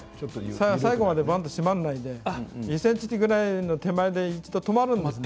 最後まで、ばんっと閉まらないで２ｃｍぐらい手前で一度止まるんですね。